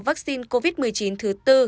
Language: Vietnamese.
vaccine covid một mươi chín thứ bốn